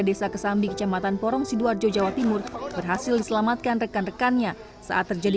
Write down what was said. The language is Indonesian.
desa kesambi kecamatan porong sidoarjo jawa timur berhasil diselamatkan rekan rekannya saat terjadi